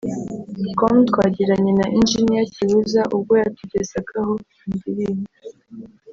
com twagiranye na Engineer Kibuza ubwo yatugezagaho iyi ndirimbo